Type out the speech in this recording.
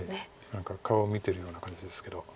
何か顔を見てるような感じですけど。